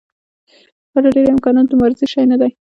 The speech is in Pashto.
دا د ډېرو امکاناتو د مبارزې شی نه دی.